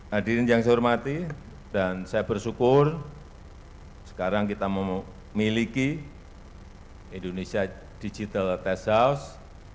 hadirin yang saya hormati dan saya bersyukur sekarang kita memiliki indonesia digital test house